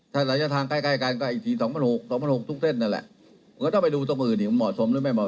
ถ้าศาสตร์ทางใกล้กันก็อีกสี่๒๖๐๐ล้านบาททุกเส้นนั่นแหละ